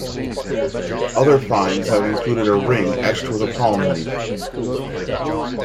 Other finds have included a ring etched with a palm leaf.